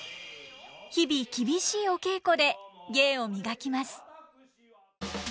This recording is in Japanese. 日々厳しいお稽古で芸を磨きます。